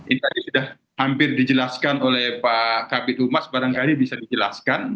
ini tadi sudah hampir dijelaskan oleh pak kabit humas barangkali bisa dijelaskan